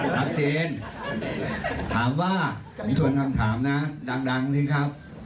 จะไปร่วมกับพลักษณ์ประชารักษณ์มั้ยคะ